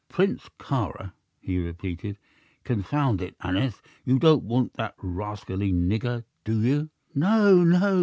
"Prince Kāra!" he repeated. "Confound it, Aneth, you don't want that rascally nigger, do you?" "No, no!"